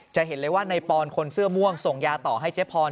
จะเห็นเลยว่านายปอนคนเสื้อม่วงส่งยาต่อให้เจ๊พร